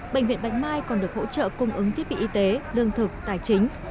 bệnh viện bạch mai còn được hỗ trợ cung ứng thiết bị y tế đương thực tài chính